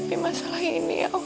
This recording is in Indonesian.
penghulu pasti ga akan nikahin kakak